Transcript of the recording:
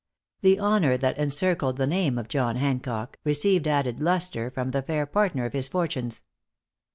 The honor that encircled the name of John Hancock, received added lustre from the fair partner of his fortunes.